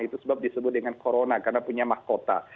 itu sebab disebut dengan corona karena punya mahkota